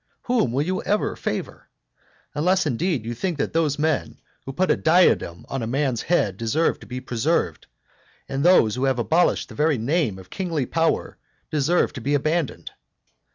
Whom will you ever favour? Unless, indeed, you think that those men who put a diadem on a man's head deserve to be preserved, and those who have abolished the very name of kingly power deserve to be abandoned.